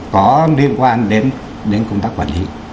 có liên quan đến công tác quản lý